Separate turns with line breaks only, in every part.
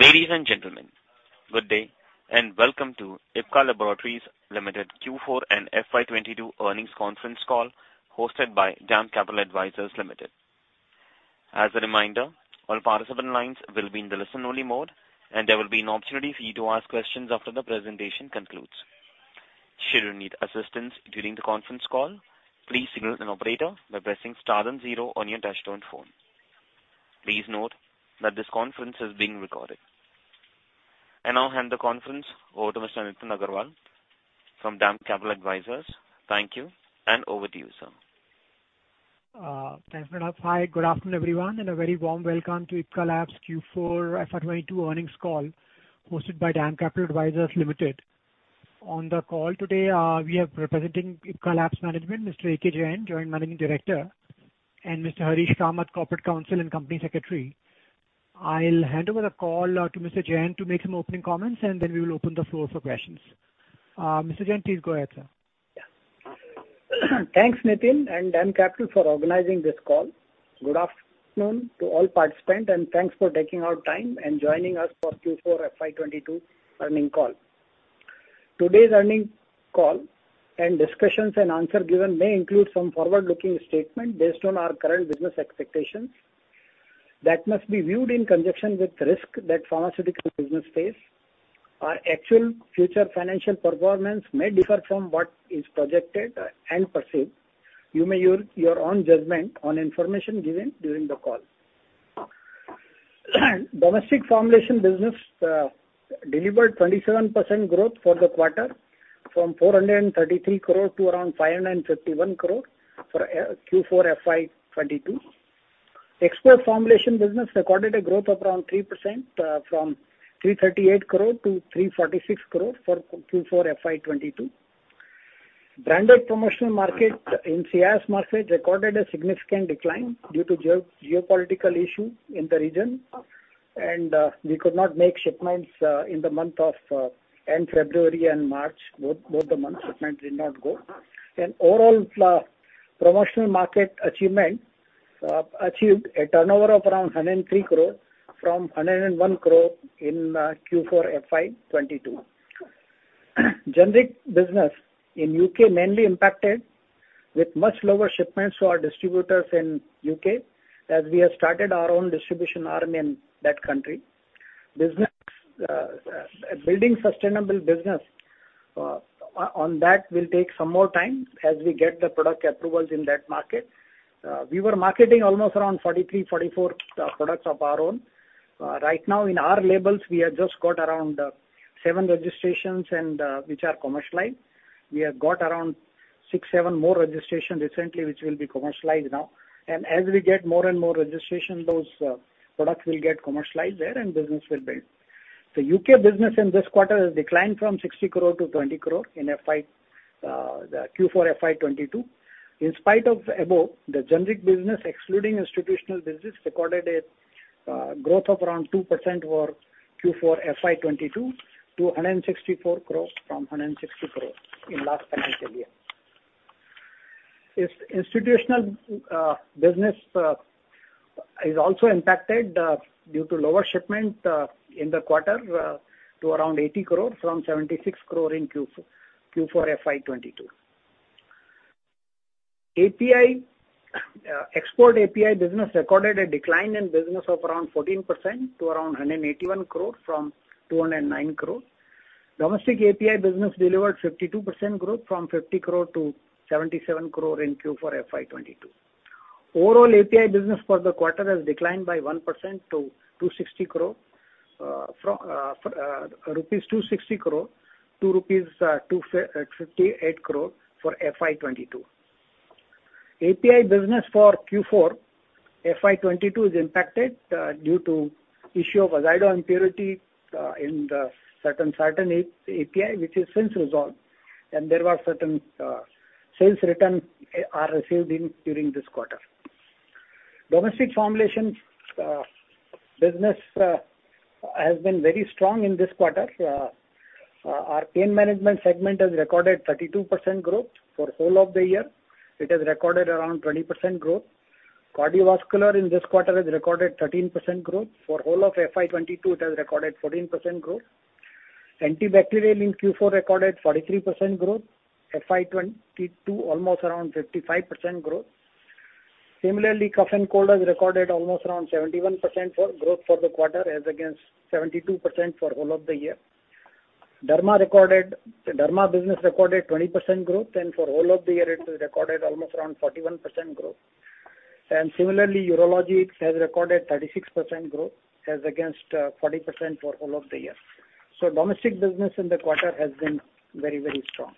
Ladies and gentlemen, good day and welcome to Ipca Laboratories Limited Q4 and FY 2022 earnings conference call hosted by DAM Capital Advisors Limited. As a reminder, all participant lines will be in the listen-only mode, and there will be an opportunity for you to ask questions after the presentation concludes. Should you need assistance during the conference call, please signal an operator by pressing star and zero on your touch-tone phone. Please note that this conference is being recorded. I now hand the conference over to Mr. Nitin Agarwal from DAM Capital Advisors. Thank you, and over to you, sir.
Thanks, Nitin. Hi, good afternoon, everyone, and a very warm welcome to Ipca Labs Q4 FY22 earnings call hosted by DAM Capital Advisors Limited. On the call today, we have representing Ipca Labs management, Mr. Ajit Kumar Jain, Joint Managing Director, and Mr. Harish Kamath, Corporate Counsel and Company Secretary. I'll hand over the call to Mr. Jain to make some opening comments, and then we will open the floor for questions. Mr. Jain, please go ahead, sir.
Yeah. Thanks, Nitin, and DAM Capital for organizing this call. Good afternoon to all participants, and thanks for taking out time and joining us for Q4 FY 2022 earnings call. Today's earnings call and discussions and answers given may include some forward-looking statements based on our current business expectations that must be viewed in conjunction with risks that pharmaceutical business face. Our actual future financial performance may differ from what is projected and perceived. You may use your own judgment on information given during the call. Domestic formulation business delivered 27% growth for the quarter from 433 crore to around 551 crore for Q4 FY 2022. Export formulation business recorded a growth of around 3% from 338 crore-346 crore for Q4 FY 2022. Branded promotional market in CIS market recorded a significant decline due to geopolitical issue in the region and we could not make shipments in the month of end February and March. Both months, shipment did not go. Overall, promotional market achievement achieved a turnover of around 103 crore from 101 crore in Q4 FY 2022. Generic business in U.K. mainly impacted with much lower shipments to our distributors in U.K. as we have started our own distribution arm in that country. Business building sustainable business on that will take some more time as we get the product approvals in that market. We were marketing almost around 43 products-44 products of our own. Right now in our labels, we have just got around seven registrations and which are commercialized. We have got around six-seven more registration recently, which will be commercialized now. As we get more and more registration, those products will get commercialized there and business will build. The U.K. business in this quarter has declined from 60 crore-20 crore in the Q4 FY 2022. In spite of above, the generic business, excluding institutional business, recorded a growth of around 2% for Q4 FY 2022 to 164 crore from 160 crore in last financial year. Institutional business is also impacted due to lower shipment in the quarter to around 80 crore from 76 crore in Q4 FY 2022. API export API business recorded a decline in business of around 14% to around 181 crore from 209 crore. Domestic API business delivered 52% growth from 50 crore-77 crore in Q4 FY22. Overall API business for the quarter has declined by 1% from 260 crore-258 crore rupees for FY22. API business for Q4 FY22 is impacted due to issue of azido impurity in the certain API which is since resolved, and there were certain sales returns received during this quarter. Domestic formulation business has been very strong in this quarter. Our pain management segment has recorded 32% growth. For whole of the year, it has recorded around 20% growth. Cardiovascular in this quarter has recorded 13% growth. For whole of FY22, it has recorded 14% growth. Antibacterial in Q4 recorded 43% growth. FY22 almost around 55% growth. Similarly, cough and cold has recorded almost around 71% growth for the quarter as against 72% for whole of the year. Derma business recorded 20% growth, and for whole of the year, it has recorded almost around 41% growth. Similarly, urology has recorded 36% growth as against 40% for whole of the year. Domestic business in the quarter has been very, very strong.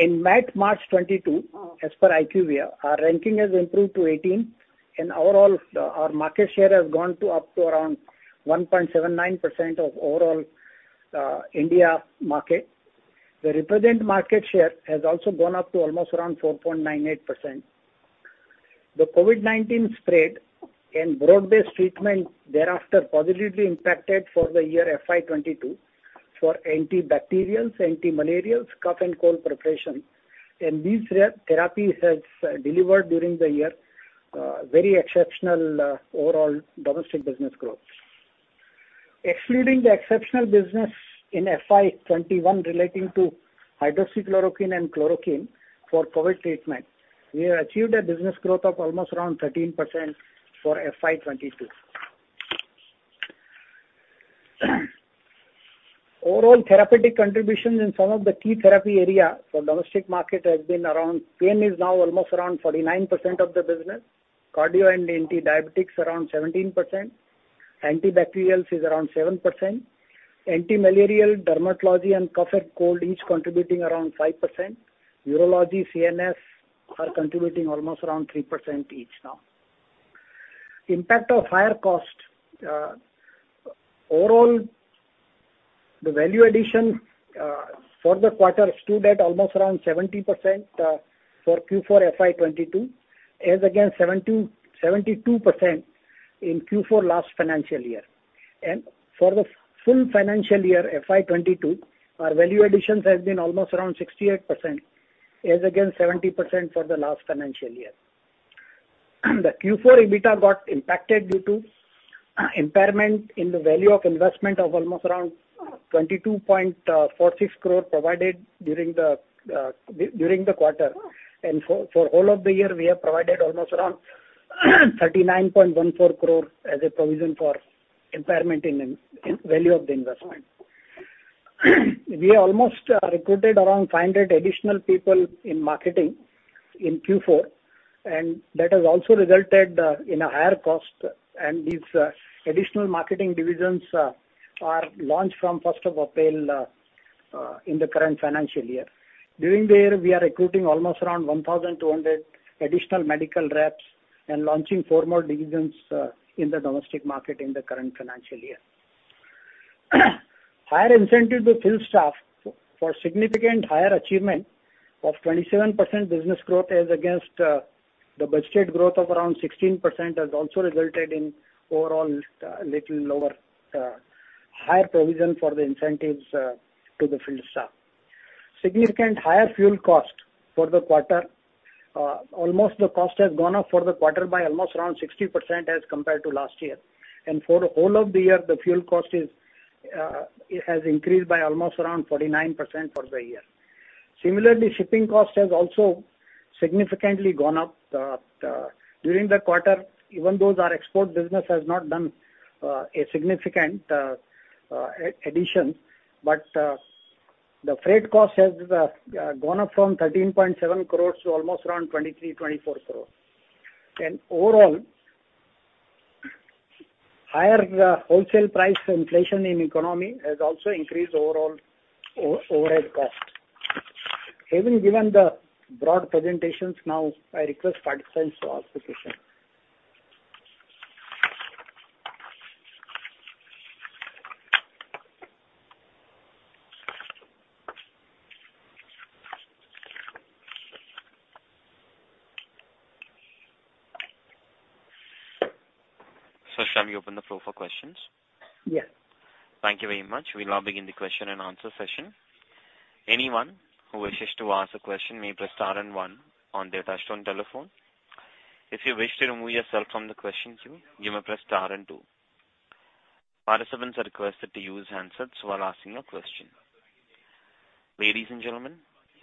In March 2022, as per IQVIA, our ranking has improved to 18, and overall, our market share has gone up to around 1.79% of overall India market. The relevant market share has also gone up to almost around 4.98%. The COVID-19 spread and broad-based treatment thereafter positively impacted for the year FY22. For antibacterials, antimalarials, cough and cold preparation. These therapies has delivered during the year very exceptional overall domestic business growth. Excluding the exceptional business in FY21 relating to hydroxychloroquine and chloroquine for COVID treatment, we have achieved a business growth of almost around 13% for FY22. Overall therapeutic contributions in some of the key therapy area for domestic market has been around pain is now almost around 49% of the business, cardio and antidiabetics around 17%, antibacterials is around 7%, antimalarial, dermatology and cough and cold each contributing around 5%. Urology, CNS are contributing almost around 3% each now. Impact of higher cost, overall the value addition for the quarter stood at almost around 70%, for Q4 FY22, as against 72% in Q4 last financial year. For the full financial year, FY22, our value additions has been almost around 68%, as against 70% for the last financial year. The Q4 EBITDA got impacted due to impairment in the value of investment of almost around 22.46 crore provided during the quarter. For whole of the year, we have provided almost around 39.14 crore as a provision for impairment in value of the investment. We almost recruited around 500 additional people in marketing in Q4, and that has also resulted in a higher cost. These additional marketing divisions are launched from first of April in the current financial year. During the year, we are recruiting almost around 1,200 additional medical reps and launching four more divisions in the domestic market in the current financial year. Higher incentive to field staff for significant higher achievement of 27% business growth as against the budgeted growth of around 16% has also resulted in overall little lower higher provision for the incentives to the field staff. Significant higher fuel cost for the quarter. Almost the cost has gone up for the quarter by almost around 60% as compared to last year. For whole of the year, the fuel cost is it has increased by almost around 49% for the year. Similarly, shipping cost has also significantly gone up during the quarter, even though our export business has not done a significant addition. The freight cost has gone up from 13.7 crore to almost around 23 crore-INR `24 crore. Overall, higher wholesale price inflation in economy has also increased overall overhead costs. Having given the broad presentations, now I request participants to ask the question.
So shall we open the floor for questions.
Yes.
Thank you very much. We now begin the question and answer session. Anyone who wishes to ask a question may press star and one on their touchtone telephone. If you wish to remove yourself from the question queue, you may press star and two. Participants are requested to use handsets while asking a question. Ladies and gentlemen,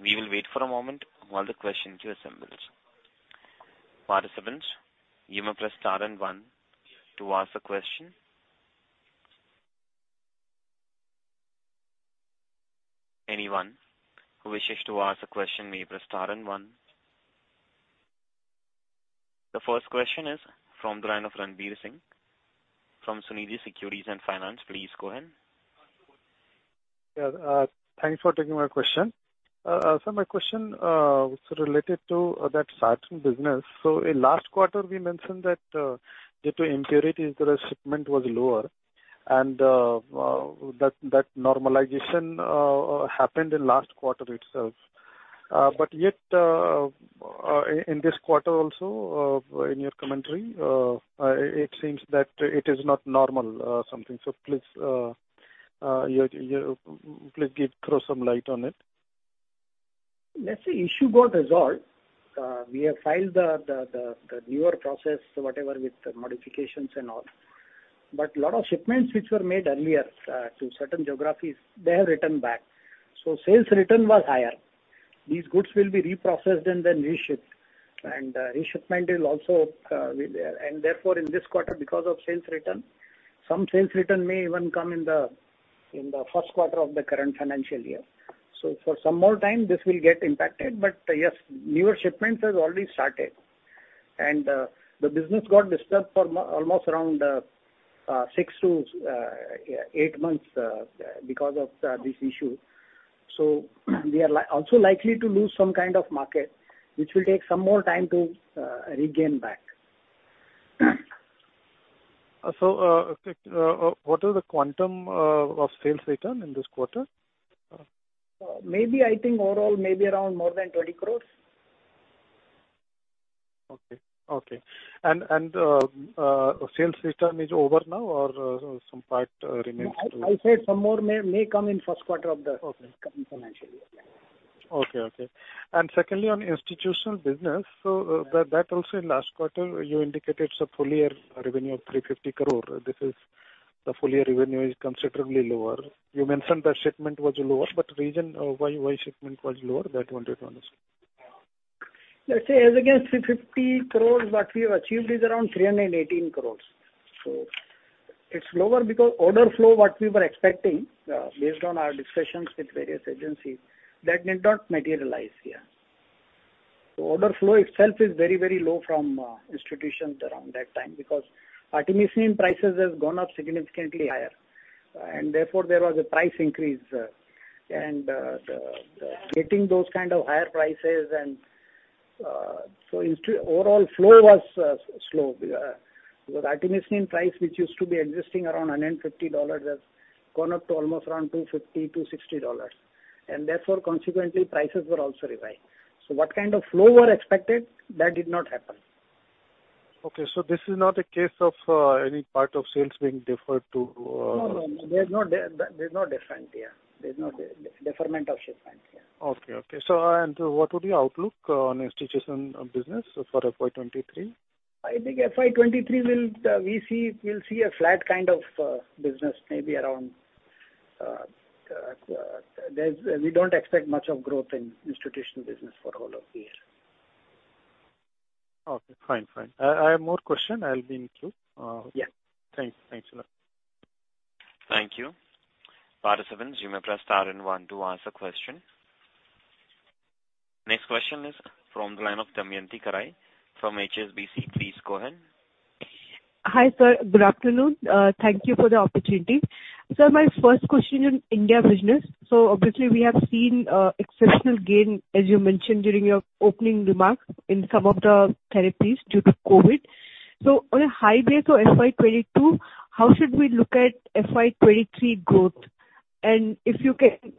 we will wait for a moment while the question queue assembles. Participants, you may press star and one to ask a question. Anyone who wishes to ask a question may press star and one. The first question is from the line of Ranveer Singh from Sunidhi Securities and Finance. Please go ahead.
Yeah, thanks for taking my question. My question is related to that Sartan business. In last quarter, we mentioned that due to impurities the shipment was lower and that normalization happened in last quarter itself. Yet in this quarter also, in your commentary, it seems that it is not normal something. Please throw some light on it.
Let's say issue got resolved. We have filed the newer process, whatever with modifications and all. A lot of shipments which were made earlier to certain geographies, they have returned back. Sales return was higher. These goods will be reprocessed and then reshipped. Reshipment will also, and therefore in this quarter because of sales return, some sales return may even come in the first quarter of the current financial year. For some more time this will get impacted. Yes, newer shipments has already started. The business got disturbed for almost around six months-eight months because of this issue. We are also likely to lose some kind of market, which will take some more time to regain back.
What are the quantum of sales return in this quarter?
Maybe I think overall maybe around more than INR 20 crores.
Okay. Sales return is over now or some part remains to-
No, I said some more may come in Q1 of the-
Okay.
Current financial year, yeah.
Secondly, on institutional business, that also in last quarter you indicated some full year revenue of 350 crore. This is the full year revenue is considerably lower. You mentioned the shipment was lower, but reason why shipment was lower, that I wanted to understand.
Let's say as against 350 crores, what we have achieved is around 318 crores. It's lower because order flow, what we were expecting, based on our discussions with various agencies, that did not materialize. Order flow itself is very, very low from institutions around that time because artemisinin prices has gone up significantly higher, and therefore there was a price increase. The getting those kind of higher prices and so overall flow was slow. The artemisinin price, which used to be existing around $150 has gone up to almost around $250-$260, and therefore consequently prices were also revised. What kind of flow were expected, that did not happen.
This is not a case of any part of sales being deferred to.
No. There's no deferment of shipments, yeah.
Okay. What would be outlook on institutional business for FY23?
I think FY23 will, we'll see a flat kind of business. We don't expect much of growth in institutional business for the whole of the year.
Okay, fine. I have more question. I'll be in queue.
Yeah.
Thanks. Thanks a lot.
Thank you. Participants, you may press star and one to ask a question. Next question is from the line of Damayanti Kerai from HSBC. Please go ahead.
Hi, sir. Good afternoon. Thank you for the opportunity. Sir, my first question on India business. Obviously we have seen exceptional gain, as you mentioned during your opening remarks, in some of the therapies due to COVID. On a high base of FY22, how should we look at FY23 growth? If you can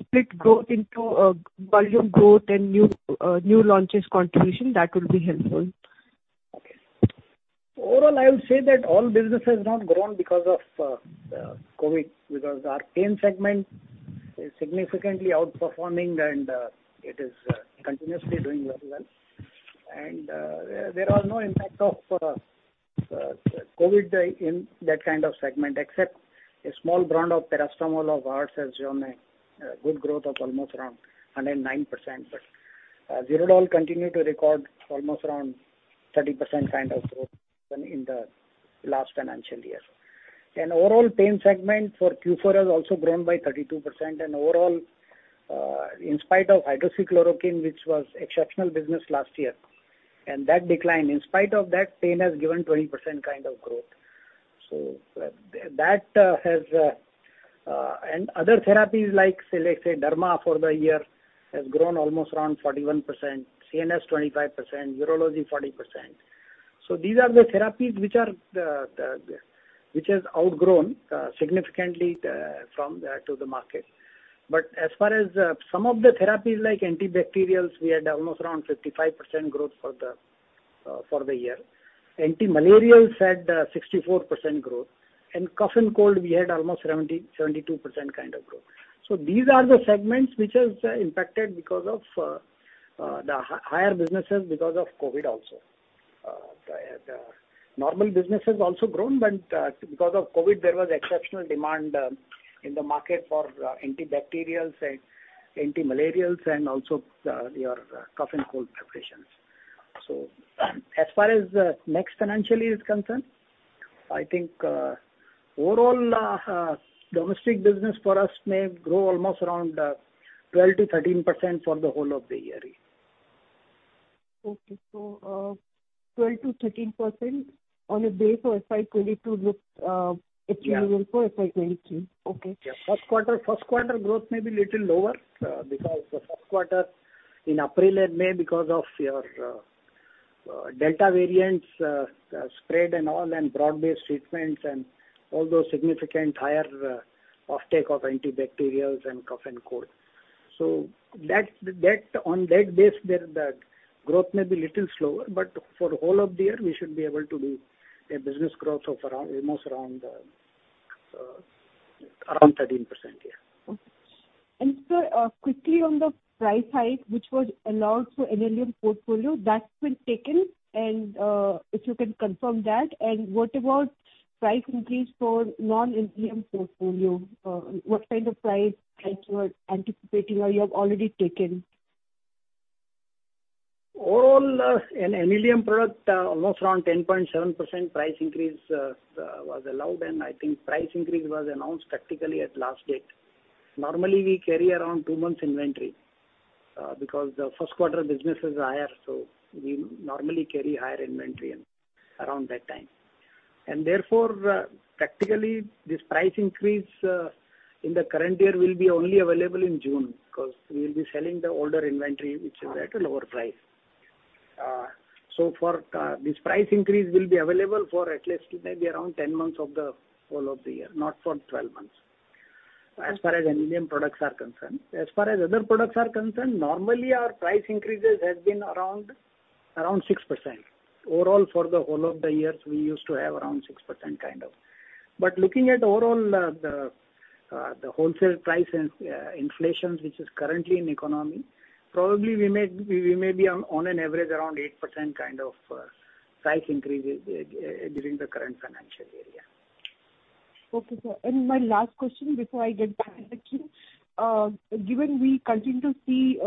split growth into volume growth and new launches contribution, that will be helpful.
Okay. Overall, I would say that all business has not grown because of COVID because our pain segment is significantly outperforming and it is continuously doing very well. There are no impact of COVID in that kind of segment except a small brand of paracetamol of ours has shown a good growth of almost around 109%. Zerodol continued to record almost around 30% kind of growth even in the last financial year. Overall pain segment for Q4 has also grown by 32%. Overall, in spite of hydroxychloroquine, which was exceptional business last year, and that declined, in spite of that, pain has given 20% kind of growth. That has and other therapies like, say, let's say Derma for the year has grown almost around 41%, CNS 25%, urology 40%. These are the therapies which has outgrown significantly from the market. As far as some of the therapies like antibacterials, we had almost around 55% growth for the year. Antimalarials had 64% growth, and cough and cold we had almost 72% kind of growth. These are the segments which has impacted because of the higher businesses because of COVID also. The normal business has also grown, but because of COVID, there was exceptional demand in the market for antibacterials and antimalarials and also your cough and cold preparations. As far as the next financial year is concerned, I think, overall, domestic business for us may grow almost around 12%-13% for the whole of the year.
Okay. 12%-13% on a base of FY22 look achievable.
Yeah.
for FY 2023. Okay.
Yeah. Q1 growth may be little lower because the Q1 in April and May because of the Delta variant spread and all and broad-based treatments and all those significantly higher offtake of antibacterials and cough and cold. On that base there, the growth may be little slower, but for whole of the year we should be able to do a business growth of around 13%, yeah.
Okay. Sir, quickly on the price hike which was allowed for NLEM portfolio that's been taken and, if you can confirm that. What about price increase for non-NLEM portfolio? What kind of price hike you are anticipating or you have already taken?
Overall, in NLEM product, almost around 10.7% price increase was allowed, and I think price increase was announced practically at last date. Normally we carry around two months inventory, because the Q1 business is higher, so we normally carry higher inventory around that time. Therefore, practically this price increase, in the current year will be only available in June because we will be selling the older inventory which is at a lower price. This price increase will be available for at least maybe around 10 months of the whole of the year, not for 12 months. As far as Indian products are concerned. As far as other products are concerned, normally our price increases has been around 6%. Overall for the whole of the years, we used to have around 6% kind of. Looking at overall, the wholesale price and inflation which is currently in economy, probably we may be on an average around 8% kind of price increases during the current financial year.
Okay, sir. My last question before I get back to the queue. Given we continue to see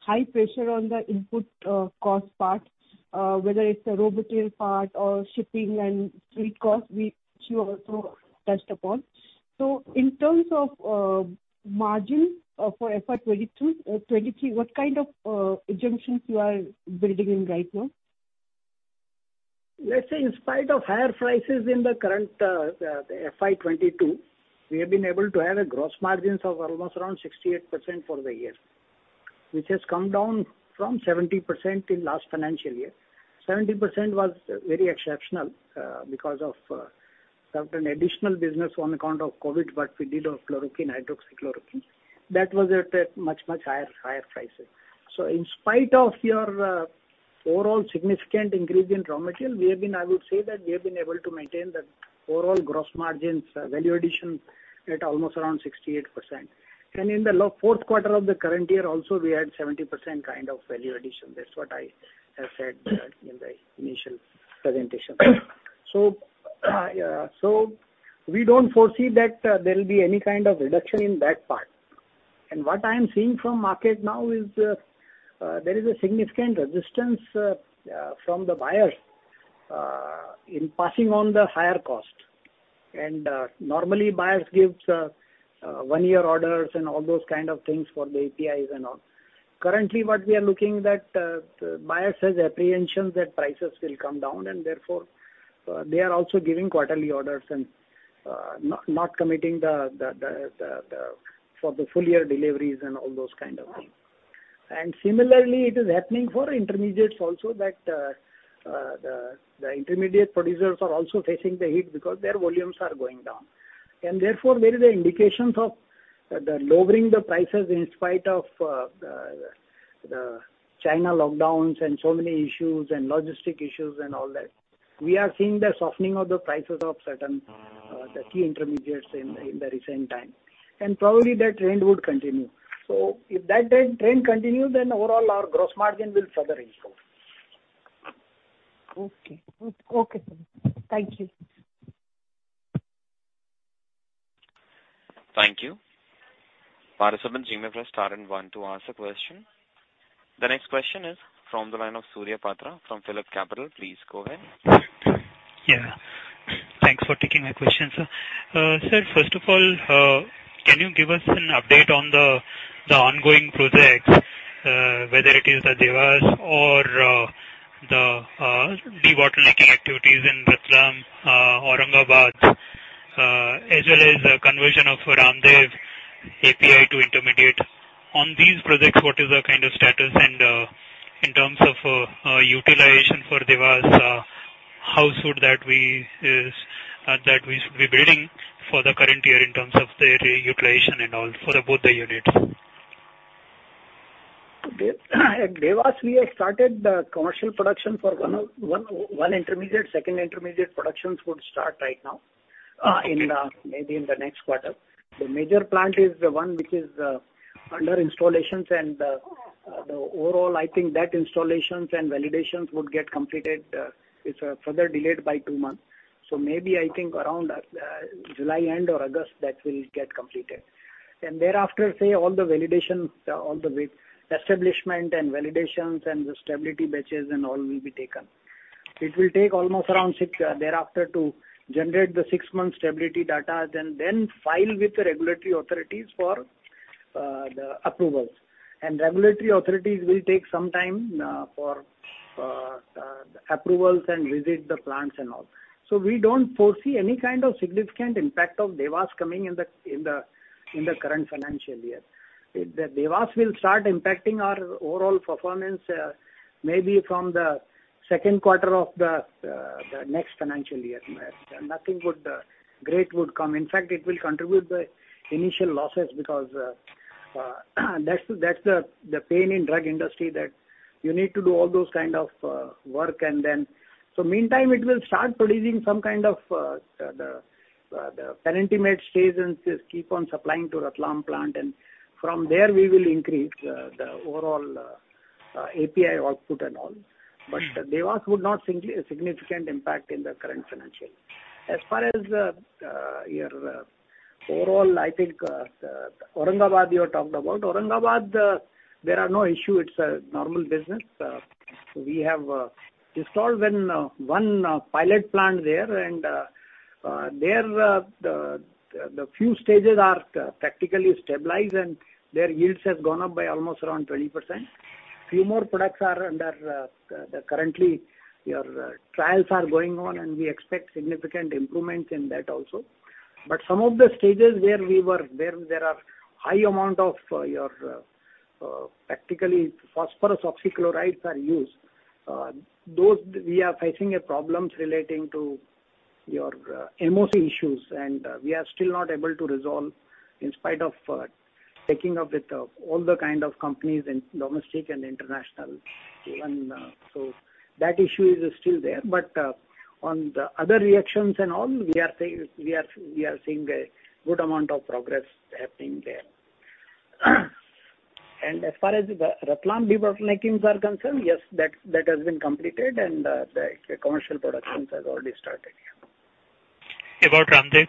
high pressure on the input cost part, whether it's a raw material part or shipping and freight cost which you also touched upon. In terms of margin for FY22-FY23, what kind of assumptions you are building in right now?
Let's say in spite of higher prices in the current FY22, we have been able to have a gross margins of almost around 68% for the year, which has come down from 70% in last financial year. 70% was very exceptional, because of certain additional business on account of COVID, what we did on chloroquine, hydroxychloroquine. That was at a much higher prices. In spite of your overall significant increase in raw material, I would say that we have been able to maintain the overall gross margins value addition at almost around 68%. In the Q4 of the current year also we had 70% kind of value addition. That's what I have said in the initial presentation. We don't foresee that there will be any kind of reduction in that part. What I am seeing from market now is there is a significant resistance from the buyers in passing on the higher cost. Normally buyers gives one-year orders and all those kind of things for the APIs and all. Currently, what we are looking that the buyers has apprehensions that prices will come down and therefore they are also giving quarterly orders and not committing for the full year deliveries and all those kind of things. Similarly it is happening for intermediates also that the intermediate producers are also facing the heat because their volumes are going down. Therefore, there are indications of lowering the prices in spite of the China lockdowns and so many issues and logistics issues and all that. We are seeing the softening of the prices of certain key intermediates in the recent times, and probably that trend would continue. If that trend continues, then overall our gross margin will further improve.
Okay, sir. Thank you.
Thank you. Operator, please star one to ask a question. The next question is from the line of Surya Patra from PhillipCapital. Please go ahead.
Yeah. Thanks for taking my question, sir. Sir, first of all, can you give us an update on the ongoing projects, whether it is at Dewas or the de-bottlenecking activities in Ratlam, Aurangabad, as well as the conversion of Ratlam API to intermediate. On these projects, what is the kind of status and in terms of utilization for Dewas, how soon that we should be building for the current year in terms of the utilization and all for both the units?
At Dewas we have started the commercial production for one intermediate. Second intermediate production would start in the next quarter. The major plant is the one which is under installation. The overall I think installations and validations would get completed. It's further delayed by two months. Maybe I think around July end or August that will get completed. Thereafter say all the validations, all the establishment and validations and the stability batches and all will be taken. It will take almost around six thereafter to generate the six months stability data then file with the regulatory authorities for the approvals. Regulatory authorities will take some time for approvals and visit the plants and all. We don't foresee any kind of significant impact of Dewas coming in the current financial year. The Dewas will start impacting our overall performance, maybe from the Q2 of the next financial year. Nothing great would come. In fact, it will contribute the initial losses because that's the pain in drug industry that you need to do all those kind of work and then meantime it will start producing some kind of the penultimate stages and just keep on supplying to Ratlam plant and from there we will increase the overall API output and all. But Dewas would not significantly impact in the current financial year. As far as your overall I think Aurangabad you have talked about. Aurangabad, there are no issues. It's a normal business. We have installed one pilot plant there and the few stages are practically stabilized and their yields has gone up by almost around 20%. Few more products are under trials, and we expect significant improvements in that also. Some of the stages where there are high amounts of practically phosphorus oxychloride are used, those we are facing problems relating to MoC issues, and we are still not able to resolve in spite of taking up with all kinds of companies in domestic and international. That issue is still there. On the other reactions and all, we are seeing a good amount of progress happening there. As far as the Ratlam de-bottlenecking is concerned, yes, that has been completed and the commercial production has already started, yeah.
About Ratlam.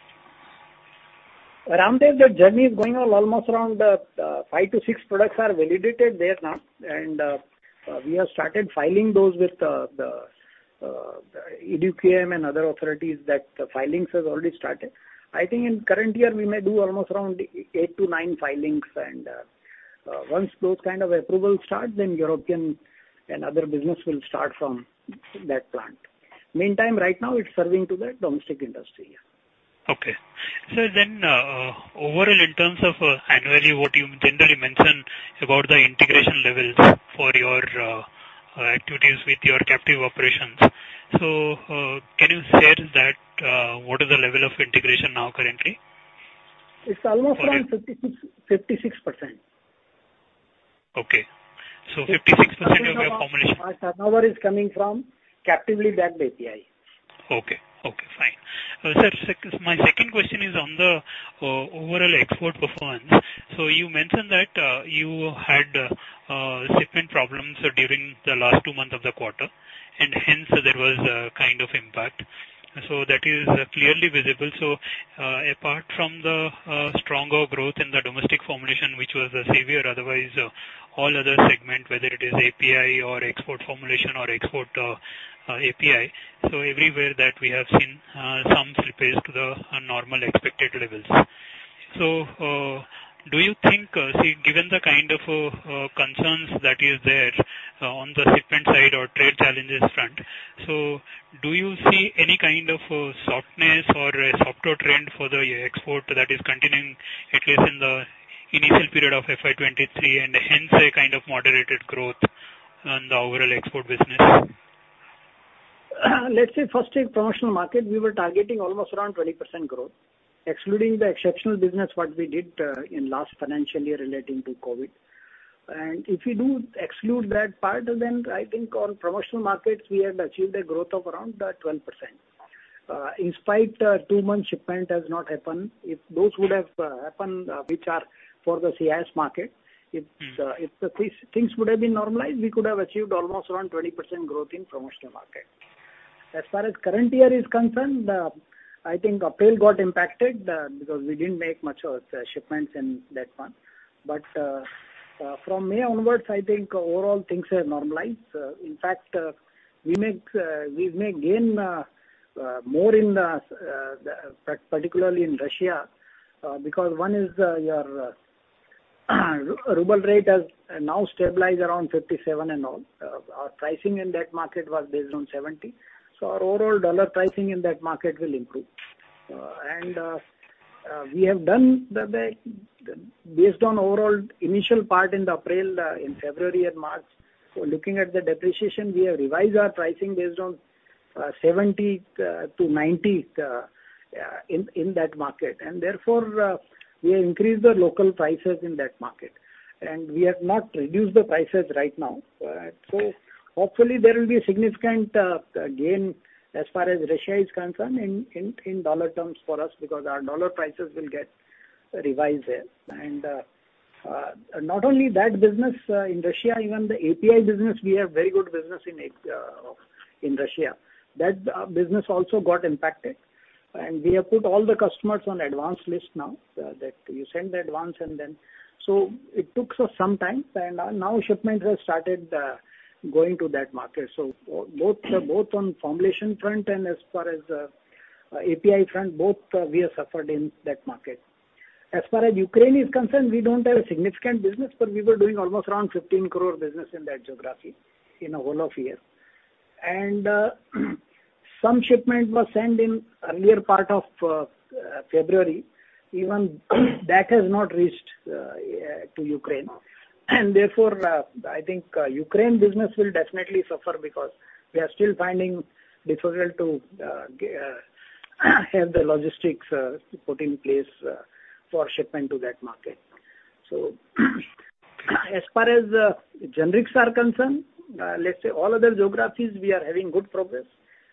Ratlam, the journey is going on almost around, five products-six products are validated there now. We have started filing those with the EDQM and other authorities that the filings has already started. I think in current year, we may do almost around eight filings-nine filings. Once those kind of approvals start, then European and other business will start from that plant. Meantime, right now, it's serving to the domestic industry, yeah.
Overall, in terms of annually, what you generally mention about the integration levels for your activities with your captive operations. Can you share that, what is the level of integration now currently?
It's almost around 56%.
Okay. 56% of your formulation-
Our turnover is coming from captive API.
Okay, fine. Sir, my second question is on the overall export performance. You mentioned that you had shipment problems during the last two months of the quarter, and hence there was a kind of impact. That is clearly visible. Apart from the stronger growth in the domestic formulation, which was the savior, otherwise, all other segment, whether it is API or export formulation or export API, everywhere that we have seen some slippage to the normal expected levels. Do you think, given the kind of concerns that is there on the shipment side or trade challenges front, so do you see any kind of softness or a softer trend for the export that is continuing at least in the initial period of FY23, and hence a kind of moderated growth on the overall export business?
Let's say firstly, promotional market, we were targeting almost around 20% growth, excluding the exceptional business what we did in last financial year relating to COVID. If you do exclude that part, then I think on promotional markets, we have achieved a growth of around 12%. In spite of two months shipment has not happened. If those would have happened, which are for the CIS market, if the things would have been normalized, we could have achieved almost around 20% growth in promotional market. As far as current year is concerned, I think April got impacted because we didn't make much of the shipments in that month. From May onwards, I think overall things have normalized. In fact, we may gain more, particularly in Russia, because one is your ruble rate has now stabilized around 57 and all. Our pricing in that market was based on 70. Our overall dollar pricing in that market will improve. Based on overall initial impact in February and March, looking at the depreciation, we have revised our pricing based on 70-90 in that market. Therefore, we increased the local prices in that market. We have not reduced the prices right now. Hopefully there will be a significant gain as far as Russia is concerned in dollar terms for us, because our dollar prices will get revised there. not only that business in Russia, even the API business, we have very good business in Russia. That business also got impacted. we have put all the customers on advance list now, that you send the advance and then it took us some time. now shipments have started going to that market. both on formulation front and as far as API front, we have suffered in that market. As far as Ukraine is concerned, we don't have a significant business, but we were doing almost around 15 crore business in that geography in a whole of year. some shipment was sent in earlier part of February. Even that has not reached to Ukraine. Therefore, I think Ukraine business will definitely suffer because we are still finding difficult to have the logistics put in place for shipment to that market. As far as generics are concerned, let's say all other geographies we are having good progress,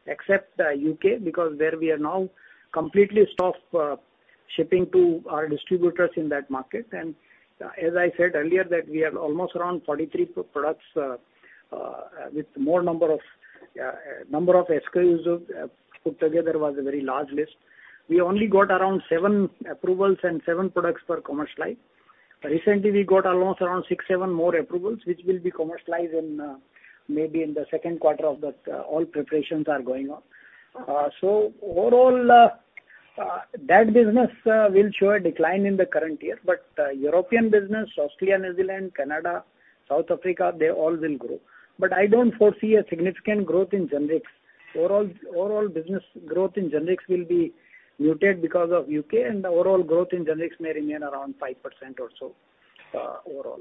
except U.K., because there we are now completely stopped shipping to our distributors in that market. As I said earlier that we have almost around 43 products with more number of number of SKUs put together was a very large list. We only got around seven approvals and seven products for commercialize. Recently, we got almost around six, seven more approvals, which will be commercialized in maybe in the Q2 of that all preparations are going on. Overall, that business will show a decline in the current year, but European business, Australia, Netherlands, Canada, South Africa, they all will grow. I don't foresee a significant growth in generics. Overall business growth in generics will be muted because of U.K., and the overall growth in generics may remain around 5% or so, overall.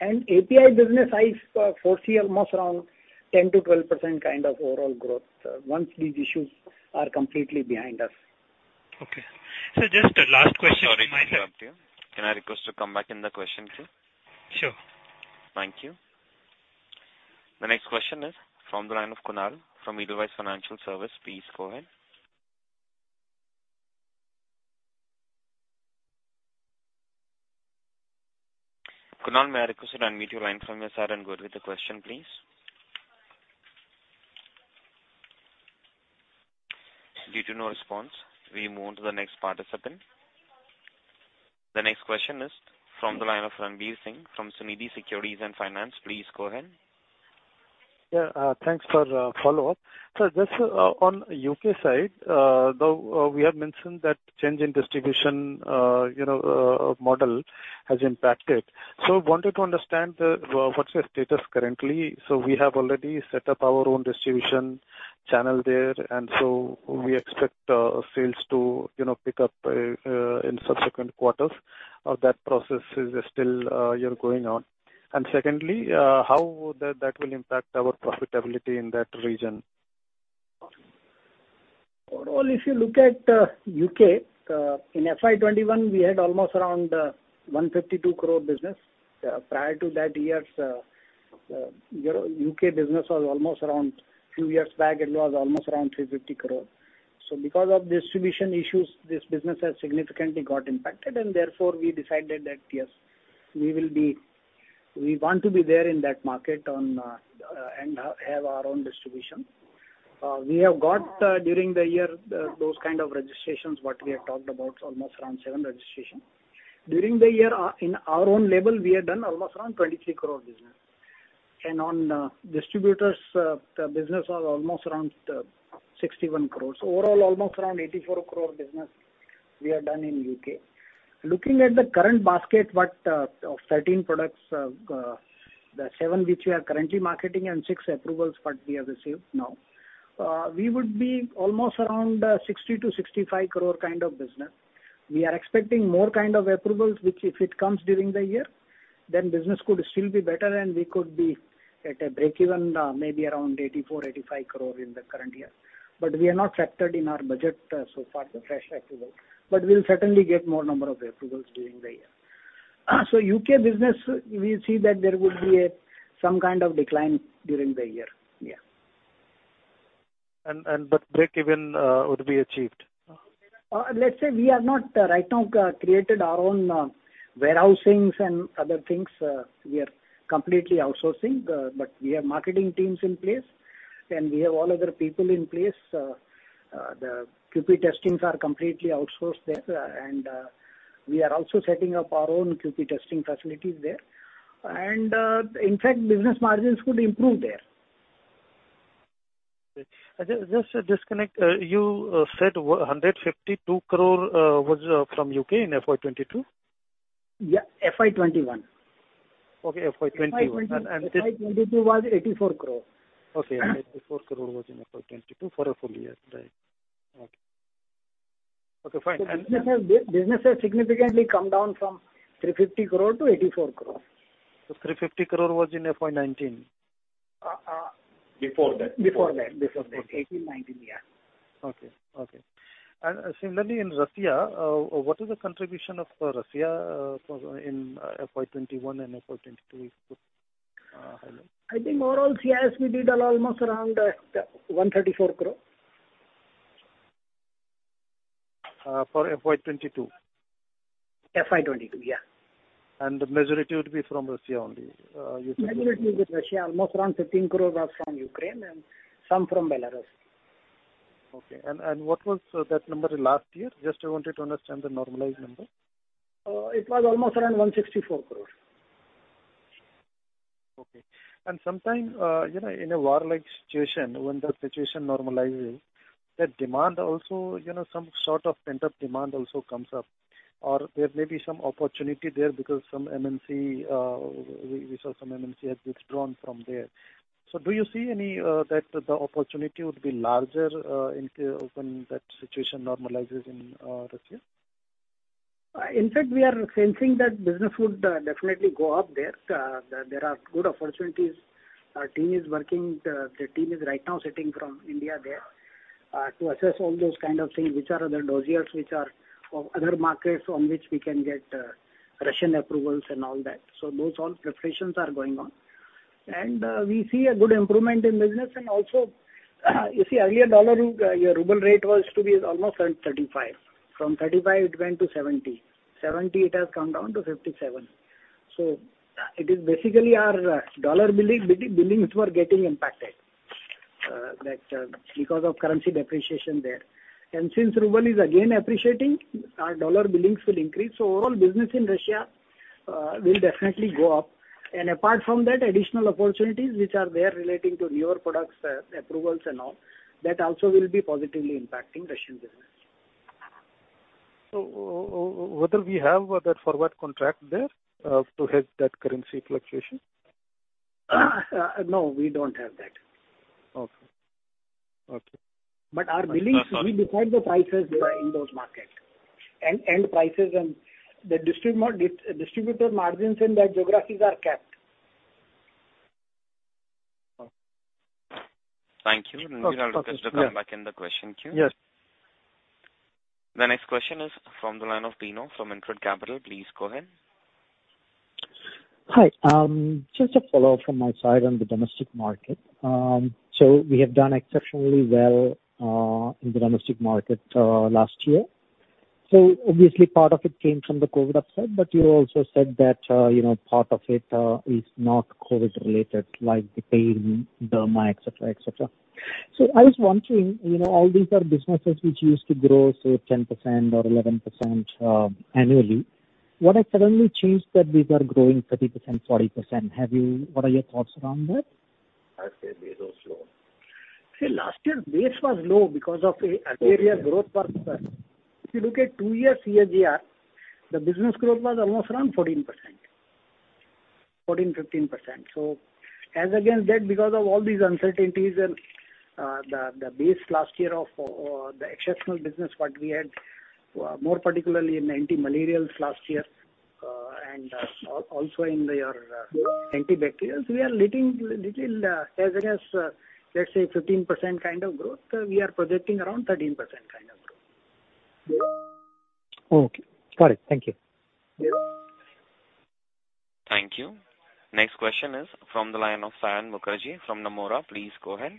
API business I foresee almost around 10%-12% kind of overall growth, once these issues are completely behind us.
Okay. Sir, just last question.
Sorry to interrupt you. Can I request to come back in the question queue?
Sure.
Thank you. The next question is from the line of Kunal from Edelweiss Financial Services. Please go ahead. Kunal, may I request you unmute your line from your side and go with the question, please. Due to no response, we move to the next participant. The next question is from the line of Ranveer Singh from Sunidhi Securities and Finance. Please go ahead.
Thanks for follow-up. Just on U.K. side, though we have mentioned that change in distribution, you know, model has impacted. Wanted to understand what's your status currently. We have already set up our own distribution channel there, and we expect sales to, you know, pick up in subsequent quarters, or that process is still going on. Secondly, how would that impact our profitability in that region?
Overall, if you look at U.K., in FY21 we had almost around 152 crore business. Prior to that years, you know, U.K. business was almost around few years back it was almost around 350 crore. Because of distribution issues, this business has significantly got impacted, and therefore we decided that, yes, we want to be there in that market on, and have our own distribution. We have got during the year those kind of registrations what we have talked about, almost around seven registrations. During the year, our in our own label we have done almost around 23 crore business. On distributors, the business was almost around 61 crores. Overall, almost around 84 crore business we have done in U.K. Looking at the current basket of 13 products, the seven which we are currently marketing and six approvals that we have received now, we would be almost around 60 crore-65 crore kind of business. We are expecting more kind of approvals, which if it comes during the year, then business could still be better and we could be at a breakeven, maybe around 84 crore-85 crore in the current year. We have not factored in our budget so far the fresh approval. We'll certainly get more number of approvals during the year. U.K. business we see that there would be some kind of decline during the year.
Breakeven would be achieved?
Let's say we have not right now created our own warehousings and other things, we are completely outsourcing, but we have marketing teams in place, and we have all other people in place. The QP testings are completely outsourced there, and we are also setting up our own QP testing facilities there. In fact, business margins could improve there.
Okay. Just to double-check, you said 152 crore was from U.K. in FY22?
Yeah. FY21.
Okay. FY21.
FY22 was 84 crore.
Okay.
Huh?
84 crore was in FY22 for a full year. Right. Okay. Okay, fine.
Business has significantly come down from 350 crore-84 crore.
350 crore was in FY19?
Uh, uh-
Before that.
Before that. 2018-2019, yeah.
Okay. Similarly in Russia, what is the contribution of Russia in FY21 and FY22? Hello.
I think overall CNS we did almost around 134 crore.
For FY22?
FY22, yeah.
The majority would be from Russia only, you said.
Majority would be Russia, almost around 15 crore was from Ukraine and some from Belarus.
What was that number last year? Just, I wanted to understand the normalized number.
It was almost around 164 crore.
Okay. Sometime, you know, in a war-like situation, when the situation normalizes, that demand also, you know, some sort of pent-up demand also comes up. Or there may be some opportunity there because some MNC, we saw some MNC has withdrawn from there. Do you see any, that the opportunity would be larger, in case when that situation normalizes in, Russia?
In fact, we are sensing that business would definitely go up there. There are good opportunities. Our team is working. The team is right now sitting from India there to assess all those kind of things, which are the dossiers of other markets from which we can get Russian approvals and all that. Those all preparations are going on. We see a good improvement in business, and also, you see earlier dollar-ruble rate was almost around 35. From 35 it went to 70. 70 it has come down to 57. It is basically our dollar billings were getting impacted because of currency depreciation there. Since ruble is again appreciating, our dollar billings will increase. Overall business in Russia will definitely go up. Apart from that, additional opportunities which are there relating to newer products, approvals and all, that also will be positively impacting Russian business.
whether we have that forward contract there to hedge that currency fluctuation?
No, we don't have that.
Okay.
Our beliefs, we decide the prices there in those markets. Net prices and the distributor margins in those geographies are capped.
Okay.
Thank you.
Okay.
I'll just come back in the question queue.
Yes.
The next question is from the line of Dino from InCred Capital. Please go ahead.
Hi. Just a follow-up from my side on the domestic market. We have done exceptionally well in the domestic market last year. Obviously part of it came from the COVID upside, but you also said that, you know, part of it is not COVID related, like the pain, derma, et cetera, et cetera. I was wondering, you know, all these are businesses which used to grow, say 10% or 11% annually. What has suddenly changed that these are growing 30%, 40%? What are your thoughts around that?
I'd say base was low. See, last year base was low.
Okay.
Area growth purpose. If you look at 2 years CAGR, the business growth was almost around 14%. 14%-15%. As against that, because of all these uncertainties and the base last year of the exceptional business what we had, more particularly in antimalarials last year, and also in our antibacterials, we are lagging a little, as against, let's say 15% kind of growth, we are projecting around 13% kind of growth.
Okay. Got it. Thank you.
Thank you. Next question is from the line of Saion Mukherjee from Nomura. Please go ahead.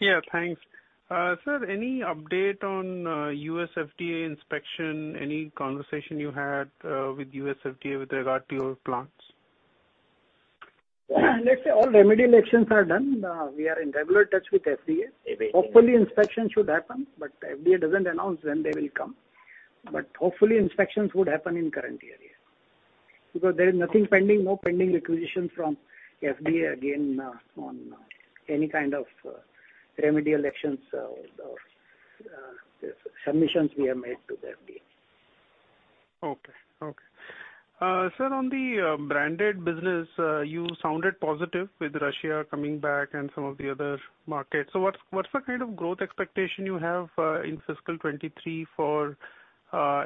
Yeah, thanks. Sir, any update on U.S. FDA inspection? Any conversation you had with U.S. FDA with regard to your plants?
Let's say all remedial actions are done. We are in regular touch with FDA. Hopefully inspection should happen, but FDA doesn't announce when they will come. Hopefully inspections would happen in current year. Because there is nothing pending, no pending requisitions from FDA again, on any kind of, remedial actions or submissions we have made to the FDA.
Sir, on the branded business, you sounded positive with Russia coming back and some of the other markets. What's the kind of growth expectation you have in fiscal 2023 for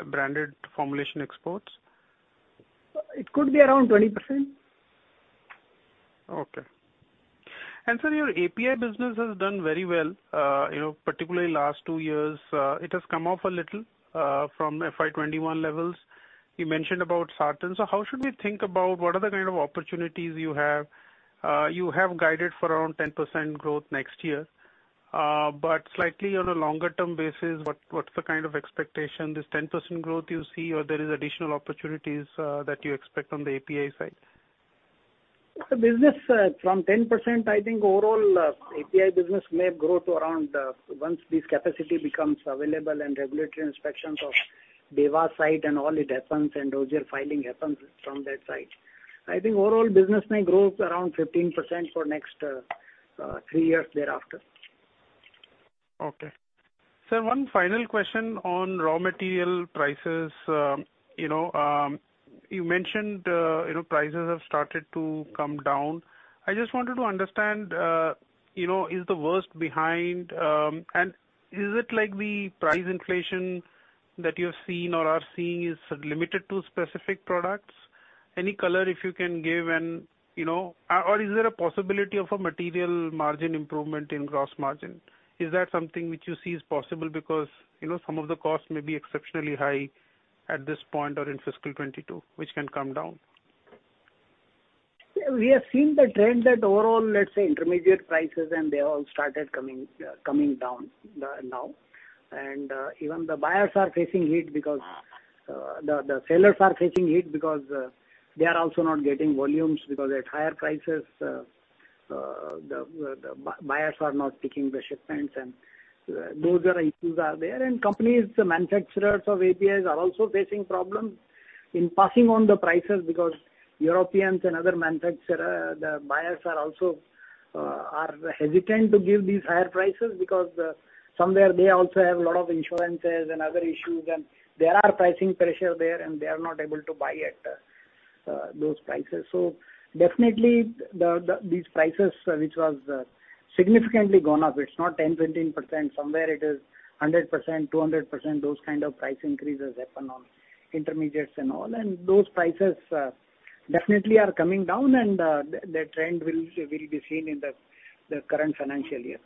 branded formulation exports?
It could be around 20%.
Okay. Sir, your API business has done very well, you know, particularly last two years. It has come off a little from FY21 levels. You mentioned about Sartan. How should we think about what are the kind of opportunities you have? You have guided for around 10% growth next year. But slightly on a longer term basis, what's the kind of expectation? This 10% growth you see or there is additional opportunities that you expect on the API side?
The business from 10%, I think overall, API business may grow to around once this capacity becomes available and regulatory inspections of Dewas site and all, it happens and those filings happen from that site. I think overall business may grow to around 15% for next three years thereafter.
Okay. Sir, one final question on raw material prices. You mentioned prices have started to come down. I just wanted to understand is the worst behind, and is it like the price inflation that you have seen or are seeing is limited to specific products? Any color if you can give and or is there a possibility of a material margin improvement in gross margin? Is that something which you see is possible because some of the costs may be exceptionally high at this point or in fiscal 2022, which can come down?
We have seen the trend that overall, let's say, intermediate prices and they all started coming down now. Even the buyers are facing hit because the sellers are facing hit because they are also not getting volumes because at higher prices the buyers are not taking the shipments and those issues are there. Companies, the manufacturers of APIs are also facing problems in passing on the prices because Europeans and other manufacturer, the buyers are also are hesitant to give these higher prices because somewhere they also have a lot of insurances and other issues and there are pricing pressure there, and they are not able to buy at those prices. Definitely the these prices which was significantly gone up, it's not 10%-20%. Somewhere it is 100%, 200%, those kind of price increases happen on intermediates and all. Those prices definitely are coming down and the trend will be seen in the current financial year.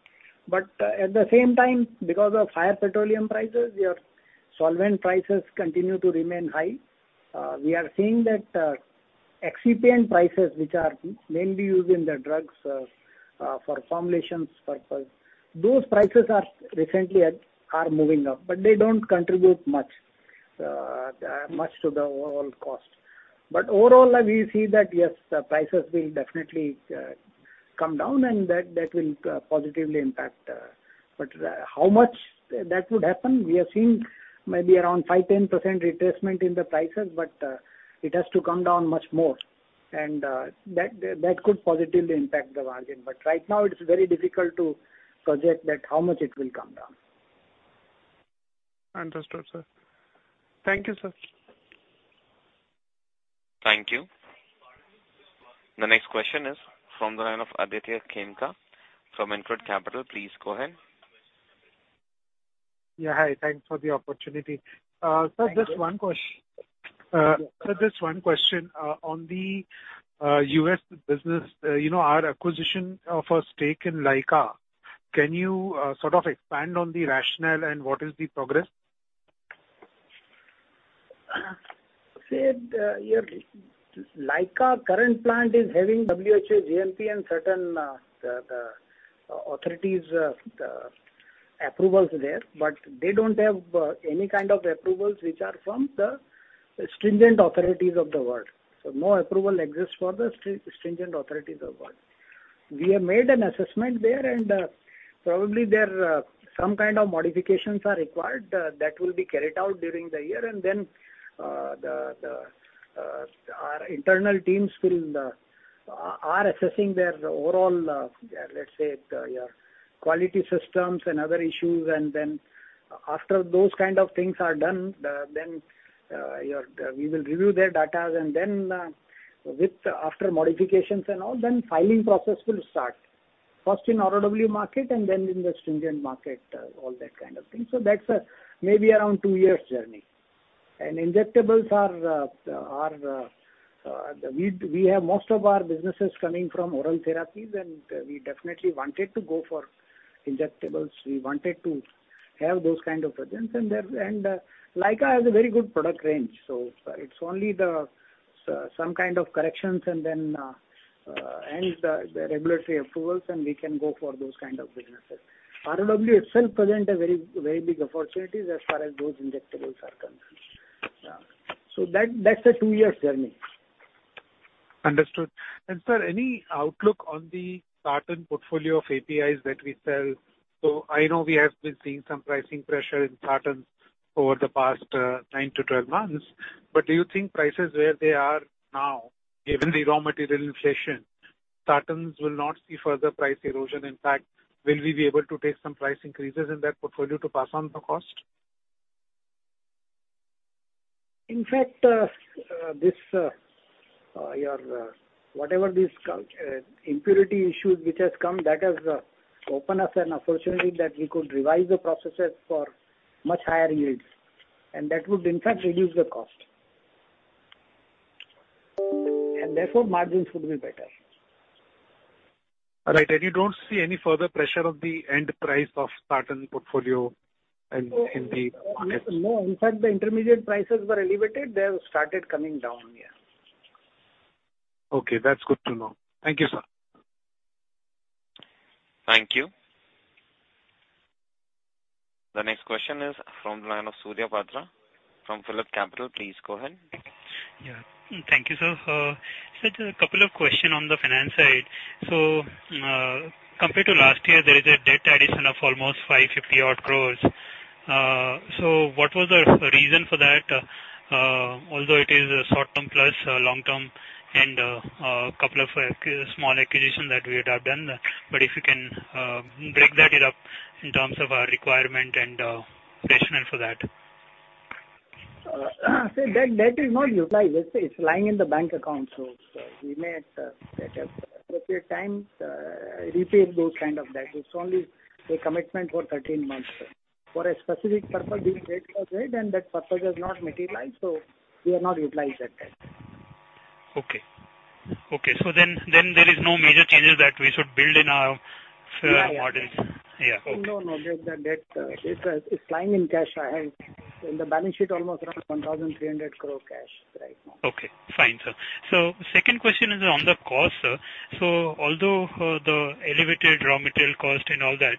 At the same time, because of higher petroleum prices, your solvent prices continue to remain high. We are seeing that excipient prices, which are mainly used in the drugs for formulations purpose, those prices are moving up, but they don't contribute much to the overall cost. Overall, we see that, yes, the prices will definitely come down and that will positively impact. How much that would happen, we are seeing maybe around 5%-10% retracement in the prices, but it has to come down much more. That could positively impact the margin. Right now it's very difficult to project that how much it will come down.
Understood, sir. Thank you, sir.
Thank you. The next question is from the line of Aditya Khemka from InCred Asset Management. Please go ahead.
Yeah, hi. Thanks for the opportunity.
Thank you.
-sir, just one ques-
Yeah.
Sir, just one question on the U.S. business. You know, our acquisition of a stake in Lyka, can you sort of expand on the rationale and what is the progress?
Your Lyka current plant is having WHO-GMP and certain the authorities the approvals there. They don't have any kind of approvals which are from the stringent authorities of the world. No approval exists for the stringent authorities of world. We have made an assessment there, and probably there some kind of modifications are required that will be carried out during the year. Our internal teams are assessing their overall, let's say, quality systems and other issues. After those kind of things are done, we will review their data and then after modifications and all, then filing process will start, first in ROW market and then in the stringent market, all that kind of thing. That's maybe around a two-year journey. Injectables are. We have most of our businesses coming from oral therapies, and we definitely wanted to go for injectables. We wanted to have that kind of presence. There, Lyka has a very good product range, so it's only some kind of corrections and then the regulatory approvals, and we can go for those kind of businesses. ROW itself presents very big opportunities as far as those injectables are concerned. Yeah. That's a two-year journey.
Understood. Sir, any outlook on the Sartan portfolio of APIs that we sell. I know we have been seeing some pricing pressure in Sartan over the past nine months-12 months. Do you think prices where they are now, given the raw material inflation, Sartans will not see further price erosion? In fact, will we be able to take some price increases in that portfolio to pass on the cost?
In fact, this azido impurity issue which has come that has opened us an opportunity that we could revise the processes for much higher yields, and that would in fact reduce the cost. Therefore margins would be better.
All right. You don't see any further pressure on the end price of Sartan portfolio in the markets?
No. In fact, the intermediate prices were elevated. They have started coming down. Yeah.
Okay. That's good to know. Thank you, sir.
Thank you. The next question is from the line of Surya Patra from PhillipCapital. Please go ahead.
Yeah. Thank you, sir. Sir, a couple of questions on the finance side. Compared to last year, there is a debt addition of almost 550 crore. What was the reason for that? Although it is short-term plus long-term and a couple of small acquisitions that we would have done. If you can break that up in terms of our requirement and rationale for that.
That debt is not utilized. It's lying in the bank account. We may at appropriate time repay those kind of debt. It's only a commitment for 13 months. For a specific purpose this debt was made, and that purpose has not materialized, so we have not utilized that debt.
There is no major changes that we should build in our.
Yeah, yeah.
Models. Yeah. Okay.
No, no. The debt, it's lying in cash. I have in the balance sheet almost around 1,300 crore cash right now.
Okay. Fine, sir. Second question is on the cost, sir. Although the elevated raw material cost and all that,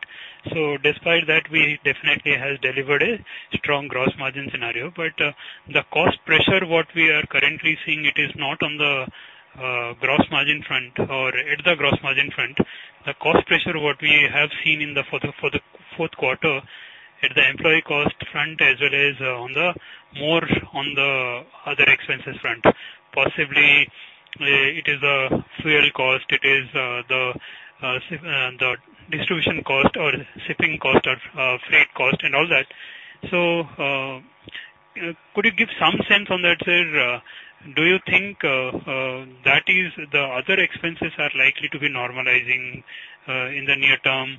despite that we definitely have delivered a strong gross margin scenario. The cost pressure, what we are currently seeing, it is not on the gross margin front. The cost pressure, what we have seen in the for the fourth quarter at the employee cost front as well as more on the other expenses front. Possibly, it is a fuel cost, it is the distribution cost or shipping cost or freight cost and all that. Could you give some sense on that, sir? Do you think that the other expenses are likely to be normalizing in the near term?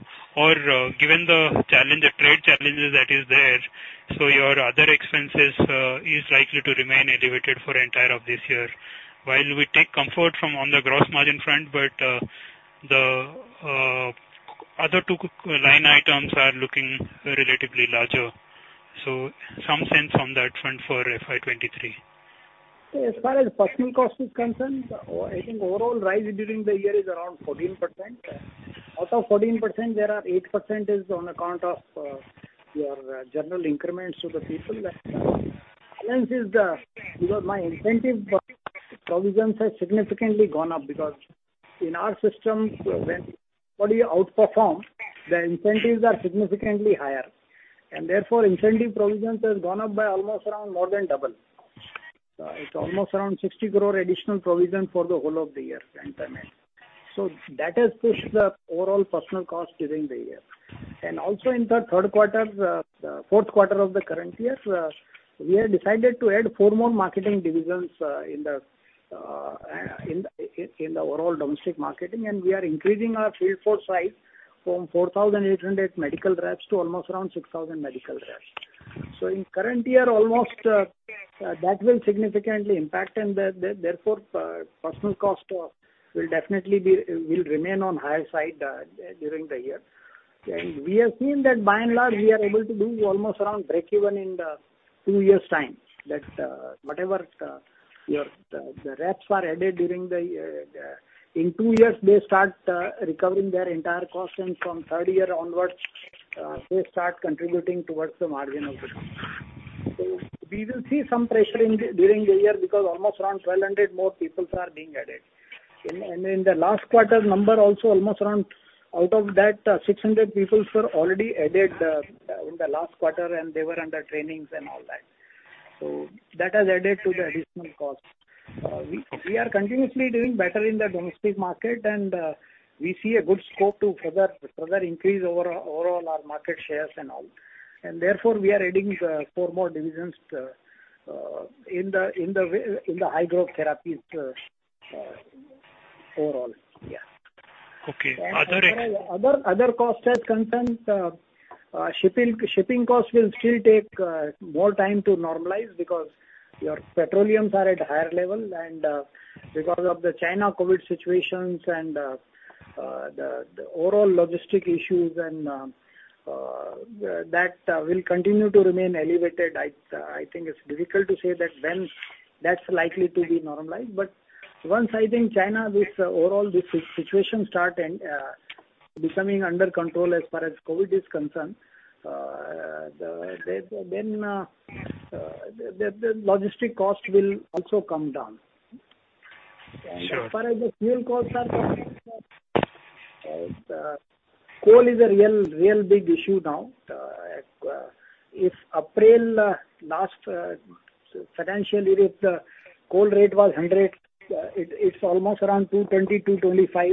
Given the challenge, the trade challenges that is there, your other expenses is likely to remain elevated for entire of this year. While we take comfort from the gross margin front, but the other two line items are looking relatively larger. Some sense on that front for FY23.
As far as personnel cost is concerned, I think overall rise during the year is around 14%. Out of 14% there are 8% is on account of your general increments to the people. The balance is because incentive provisions has significantly gone up because in our system when somebody outperforms, the incentives are significantly higher. And therefore, incentive provisions has gone up by almost around more than double. It's almost around 60 crore additional provision for the whole of the year and per month. That has pushed the overall personnel cost during the year. In the Q3, Q4 of the current year, we have decided to add four more marketing divisions in the overall domestic marketing, and we are increasing our field force size from 4,800 medical reps to almost around 6,000 medical reps. In current year, that will significantly impact and therefore personnel cost will definitely be, will remain on higher side during the year. We have seen that by and large, we are able to do almost around breakeven in the two years' time. That whatever the reps are added during the year, in two years they start recovering their entire cost and from third year onwards, they start contributing towards the margin of the company. We will see some pressure during the year because almost around 1,200 more people are being added. In the last quarter, almost around 600 out of that people were already added in the last quarter, and they were under training and all that. That has added to the additional cost. We are continuously doing better in the domestic market and we see a good scope to further increase our overall market shares and all. Therefore, we are adding four more divisions in the high growth therapies overall.
Okay.
As far as other costs is concerned, shipping costs will still take more time to normalize because petroleum prices are at a higher level and because of the China COVID situations and the overall logistics issues and that will continue to remain elevated. I think it's difficult to say when that's likely to be normalized. Once I think China this overall situation starts and becoming under control as far as COVID is concerned, then the logistics costs will also come down.
Sure.
As far as the fuel costs are concerned, coal is a real big issue now. Last April, the coal rate was 100, it's almost around 220-225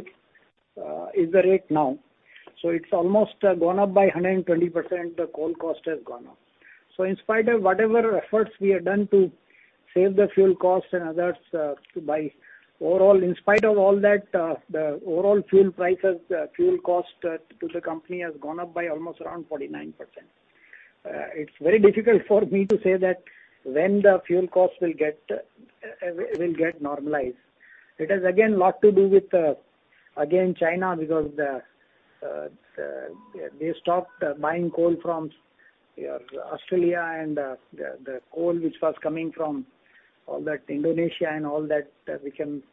is the rate now. It's almost gone up by 120% the coal cost has gone up. In spite of whatever efforts we have done to save the fuel costs and others, overall in spite of all that, the overall fuel cost to the company has gone up by almost around 49%. It's very difficult for me to say that when the fuel cost will get normalized. It has a lot to do with again China because they stopped buying coal from Australia and the coal which was coming from Australia, Indonesia and all that became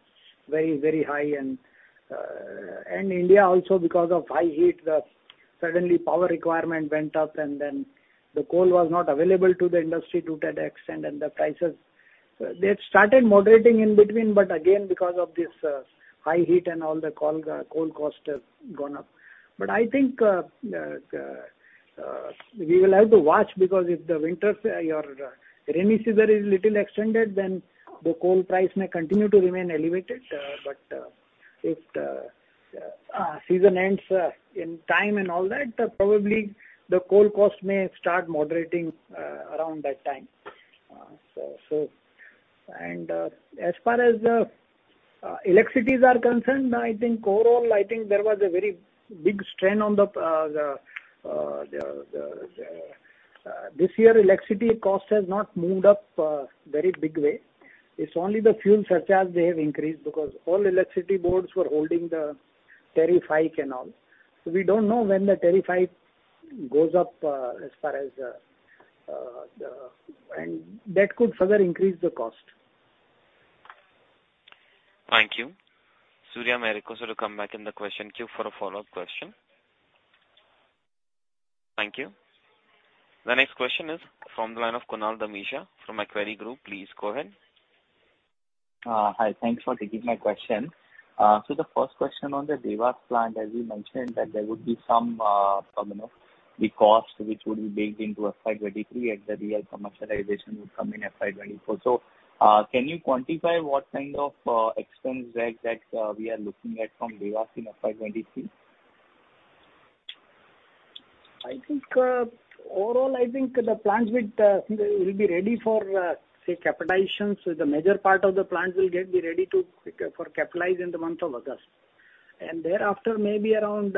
very, very high and India also because of high heat suddenly the power requirement went up and then the coal was not available to the industry to that extent and the prices. They have started moderating in between but again because of this high heat and all the coal cost has gone up. I think we will have to watch because if the winter the rainy season is a little extended then the coal price may continue to remain elevated. If season ends in time and all that, probably the coal cost may start moderating around that time. As far as the electricity is concerned, I think overall there was a very big strain on the electricity this year. Electricity cost has not moved up very big way. It's only the fuel surcharge they have increased because all electricity boards were holding the tariff hike and all. We don't know when the tariff hike goes up. That could further increase the cost.
Thank you. Surya, I may request you to come back in the question queue for a follow-up question. Thank you. The next question is from the line of Kunal Dhamesha from Emkay Global Financial Services. Please go ahead.
Hi. Thanks for taking my question. The first question on the Dewas plant, as you mentioned that there would be some, you know, the cost which would be baked into FY23 and the real commercialization would come in FY24. Can you quantify what kind of expense that we are looking at from Dewas in FY23?
I think overall I think the plants will be ready for say capitalizations. The major part of the plant will be ready to capitalize in the month of August. Thereafter maybe around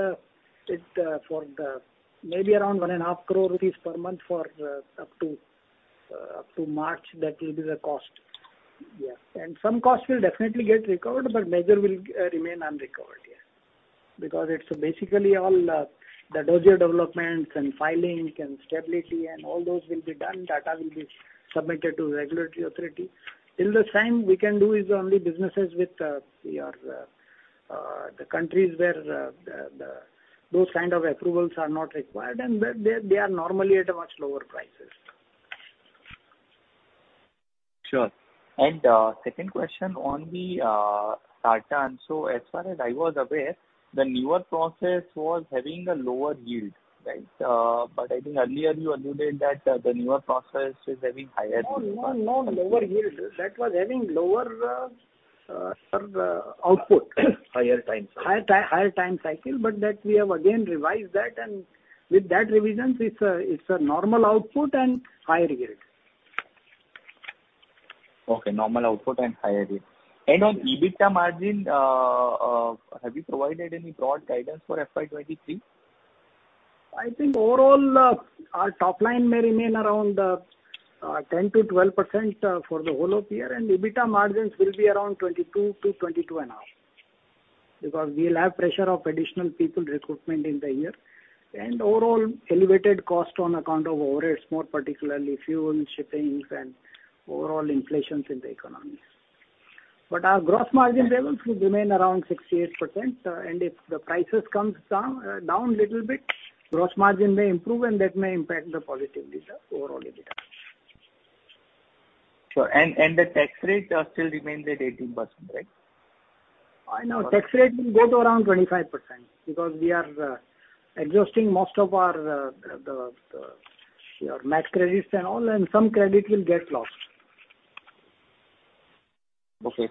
1.5 crore rupees per month up to March that will be the cost. Some cost will definitely get recovered, but major will remain unrecovered. Because it's basically all the dossier developments and filings and stability and all those will be done. Data will be submitted to regulatory authority. Till the time we can do is only business with the countries where those kind of approvals are not required and they are normally at a much lower price.
Sure. Second question on the Sartan. As far as I was aware, the newer process was having a lower yield, right? I think earlier you alluded that the newer process is having higher-
No lower yield. That was having lower output.
Higher time cycle.
Higher time cycle, but that we have again revised that and with that revisions it's a normal output and higher yield.
Okay, normal output and higher yield. On EBITDA margin, have you provided any broad guidance for FY23?
I think overall, our top line may remain around 10%-12% for the whole of year, and EBITDA margins will be around 22%-22.5%. Because we'll have pressure of additional people recruitment in the year, and overall elevated cost on account of overheads, more particularly fuel, shipping and overall inflation in the economy. Our gross margin levels will remain around 68%, and if the prices comes down down little bit, gross margin may improve and that may impact the positively the overall EBITDA.
Sure. The tax rate still remains at 18%, right?
No. Tax rate will go to around 25% because we are exhausting most of our tax credits and all, and some credit will get lost.
Okay,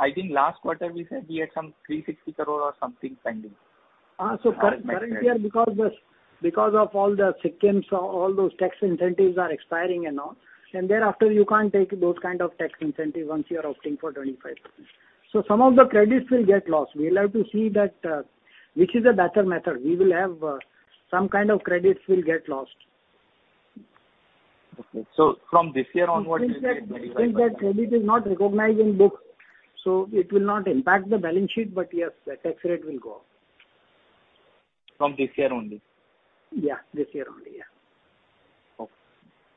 I think last quarter we said we had some 360 crore or something pending.
Current year because of all the SEZs, all those tax incentives are expiring, and thereafter you can't take those kind of tax incentive once you're opting for 25. Some of the credits will get lost. We'll have to see that, which is a better method. We will have some kind of credits will get lost.
Okay. From this year onward you said.
Since that credit is not recognized in books, so it will not impact the balance sheet, but yes, the tax rate will go up.
From this year only?
Yeah, this year only. Yeah.
Okay.